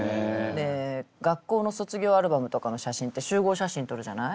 で学校の卒業アルバムとかの写真って集合写真撮るじゃない？